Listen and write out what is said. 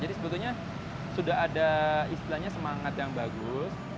jadi sebetulnya sudah ada istilahnya semangat yang bagus